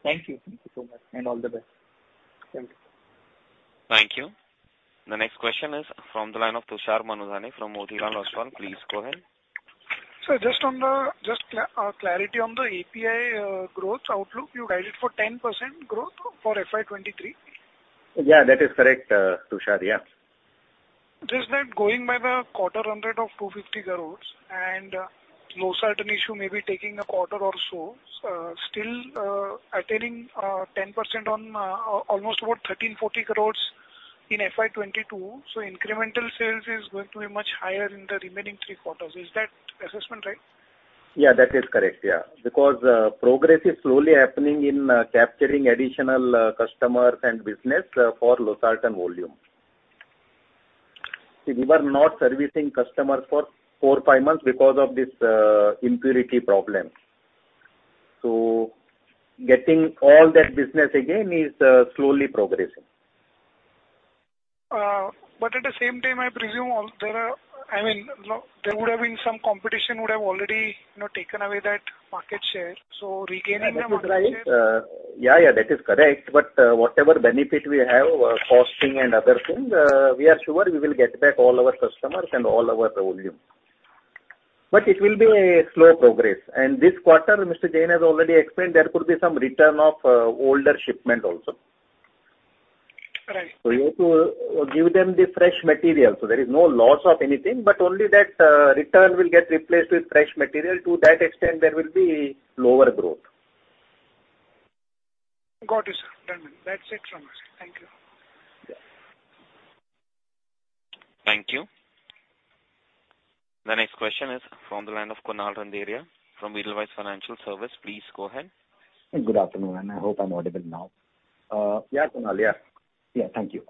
Thank you.
Thank you so much.
All the best.
Thank you.
Thank you. The next question is from the line of Tushar Manudhane from Motilal Oswal. Please go ahead.
Sir, just on the clarity on the API growth outlook. You guided for 10% growth for FY23.
Yeah, that is correct, Tushar. Yeah.
Just that going by the quarter run rate of 250 crores and Losartan issue may be taking a quarter or so, still attaining 10% on almost about 1,340 crores in FY 2022, so incremental sales is going to be much higher in the remaining three quarters. Is that assessment right?
Yeah, that is correct. Yeah. Because progress is slowly happening in capturing additional customers and business for Losartan volume. See, we were not servicing customers for four months-five months because of this impurity problem. Getting all that business again is slowly progressing.
at the same time, I presume there are, I mean, there would have been some competition would have already, you know, taken away that market share. Regaining the market share-
That is right. Yeah, that is correct. Whatever benefit we have, costing and other things, we are sure we will get back all our customers and all our volume. It will be a slow progress. This quarter, Mr. Jain has already explained there could be some return of older shipment also.
Right.
You have to give them the fresh material, so there is no loss of anything, but only that, return will get replaced with fresh material. To that extent, there will be lower growth.
Got it, sir. Done then. That's it from us. Thank you.
Yeah.
Thank you. The next question is from the line of Kunal Randeria from Edelweiss Financial Services. Please go ahead.
Good afternoon, and I hope I'm audible now.
Yeah, Kunal. Yeah.
Yeah. Thank you.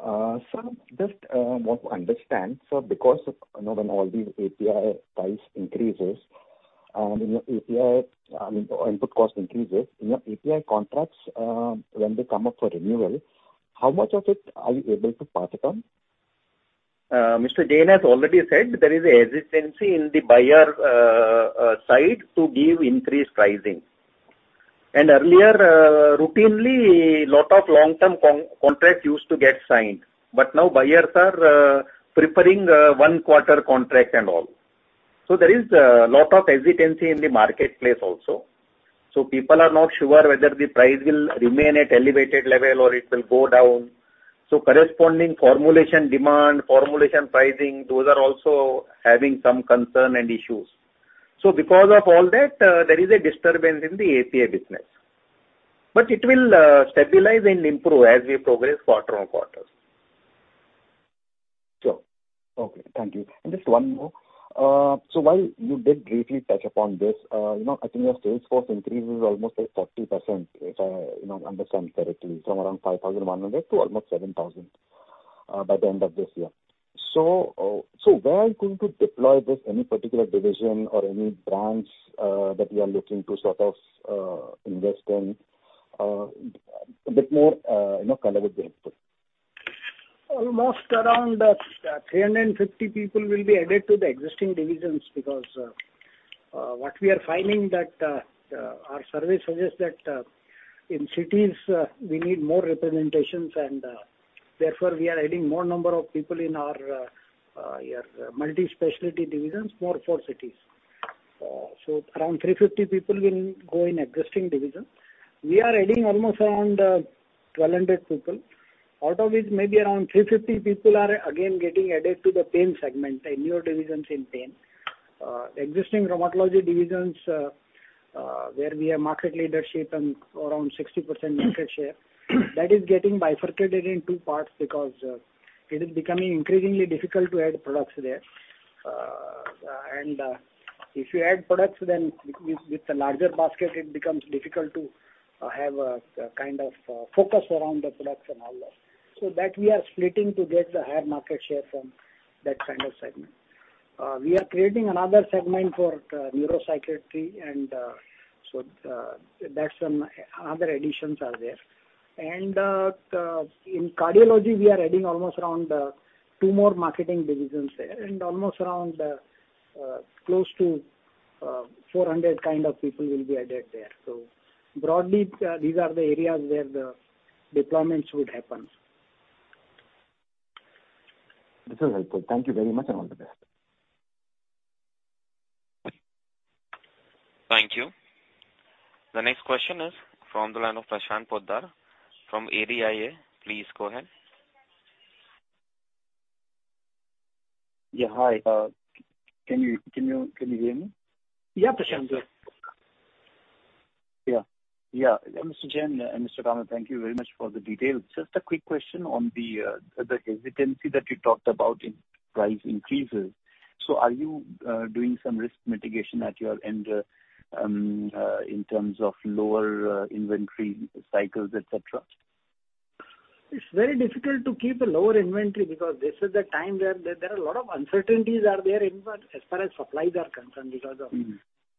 Sir, just want to understand, sir, because of, you know when all the API price increases, you know, API input cost increases, you know, API contracts when they come up for renewal, how much of it are you able to pass it on?
Mr. Jain has already said there is a hesitancy in the buyer side to give increased pricing. Earlier, routinely lot of long-term contract used to get signed, but now buyers are preferring one quarter contract and all. There is a lot of hesitancy in the marketplace also. People are not sure whether the price will remain at elevated level or it will go down. Corresponding formulation demand, formulation pricing, those are also having some concern and issues. Because of all that, there is a disturbance in the API business. But it will stabilize and improve as we progress quarter-on-quarter.
Sure. Okay. Thank you. Just one more. While you did briefly touch upon this, you know, I think your sales force increase is almost like 40%, if I, you know, understand correctly, from around 5,100 to almost 7,000 by the end of this year. Where are you going to deploy this? Any particular division or any branch that you are looking to sort of invest in a bit more, you know, color with the input?
Almost around 350 people will be added to the existing divisions because what we are finding that our survey suggests that in cities we need more representations and therefore we are adding more number of people in our multi-specialty divisions, more for cities. Around 350 people will go in existing division. We are adding almost around 1,200 people, out of which maybe around 350 people are again getting added to the pain segment, the newer divisions in pain. Existing rheumatology divisions where we have market leadership and around 60% market share, that is getting bifurcated in two parts because it is becoming increasingly difficult to add products there. If you add products then with the larger basket, it becomes difficult to have a kind of focus around the products and all that. That we are splitting to get the higher market share from that kind of segment. We are creating another segment for neuropsychiatry and that's some other additions are there. In cardiology, we are adding almost around two more marketing divisions there, and almost around close to 400 kind of people will be added there. Broadly, these are the areas where the deployments would happen.
This is helpful. Thank you very much and all the best.
Thank you. The next question is from the line of Prashant Poddar from ADIA. Please go ahead.
Yeah, hi. Can you hear me?
Yeah, Prashant. Go ahead.
Yeah, Mr. Jain and Mr. Kamath, thank you very much for the details. Just a quick question on the hesitancy that you talked about in price increases. Are you doing some risk mitigation at your end, in terms of lower inventory cycles, et cetera?
It's very difficult to keep a lower inventory because this is the time where there are a lot of uncertainties as far as supplies are concerned because of.
Mm-hmm.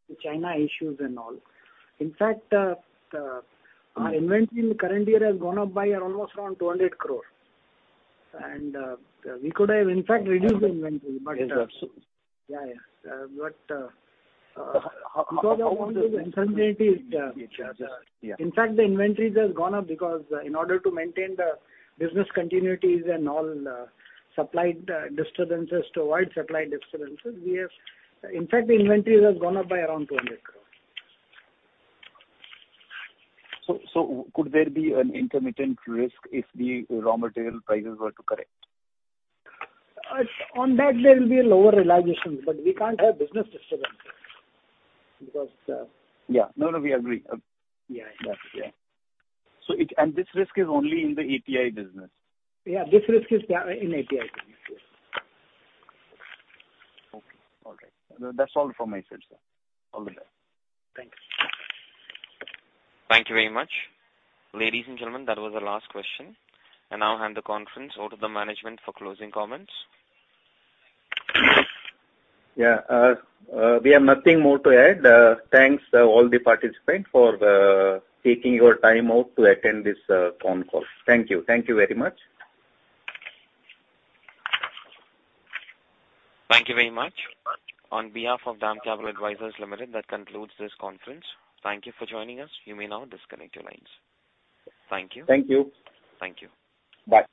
The China issues and all. In fact, our inventory in the current year has gone up by almost around 200 crore. We could have, in fact, reduced the inventory, but
Yes, absolutely.
Yeah, yeah.
How would this
because of all the uncertainties.
affect you? Yeah.
In fact, the inventories has gone up because in order to maintain the business continuities and all, to avoid supply disturbances, we have. In fact, the inventories have gone up by around 200 crore.
Could there be an intermittent risk if the raw material prices were to correct?
On that there will be a lower realization, but we can't have business disturbances because.
Yeah. No, no, we agree.
Yeah, yeah.
That's it. Yeah. This risk is only in the API business?
Yeah, this risk is there in API business. Yes.
Okay. All right. That's all from myself, sir. All the best.
Thanks.
Thank you very much. Ladies and gentlemen, that was our last question. I now hand the conference over to the management for closing comments.
Yeah. We have nothing more to add. Thanks to all the participants for taking your time out to attend this phone call. Thank you. Thank you very much.
Thank you very much. On behalf of DAM Capital Advisors Limited, that concludes this conference. Thank you for joining us. You may now disconnect your lines. Thank you.
Thank you.
Thank you.
Bye.